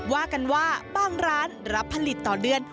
ว่ากันว่าบางร้านรับผลิตต่อเดือน